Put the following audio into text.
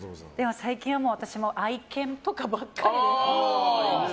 最近は私も愛犬とかばっかりです。